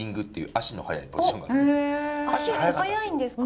足お速いんですか？